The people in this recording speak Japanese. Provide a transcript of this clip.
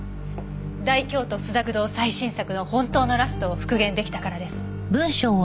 『大京都朱雀堂』最新作の本当のラストを復元出来たからです。